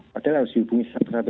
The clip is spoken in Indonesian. padahal harus dihubungi satu persatu